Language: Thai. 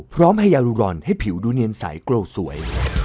พร้อมให้ยารูรอนให้ผิวดูเนียนใสโกรธสวย